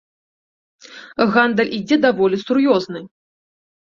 Гандаль ідзе даволі сур'ёзны.